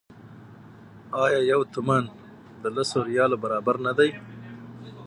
آیا یو تومان د لسو ریالو برابر نه دی؟